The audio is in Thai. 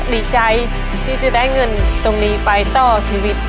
ดีใจที่จะได้เงินตรงนี้ไปต่อชีวิต